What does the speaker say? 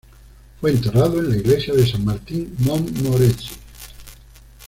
Fue enterrado en la Iglesia de Saint-Martin, Montmorency.